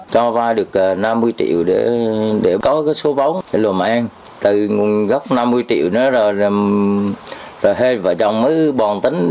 cho vay được năm mươi triệu để có cái số vốn lùm an từ gấp năm mươi triệu nữa rồi vợ chồng mới bòn tính